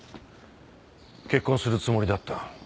結婚するつもりだった。